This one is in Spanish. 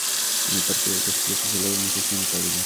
En el parque del castillo, se celebra una fiesta en el pabellón.